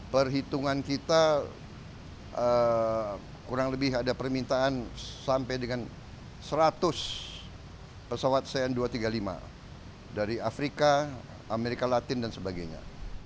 perhitungan kita kurang lebih ada permintaan sampai dengan seratus pesawat cn dua ratus tiga puluh lima dari afrika amerika latin dan sebagainya